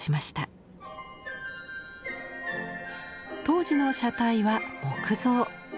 当時の車体は木造。